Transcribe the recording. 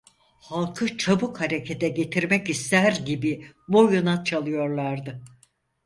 Halkı çabuk harekete getirmek ister gibi boyuna çalıyorlardı.